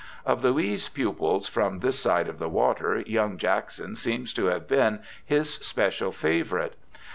Of Louis' pupils from this side of the water, young Jackson seems to have been his special favourite.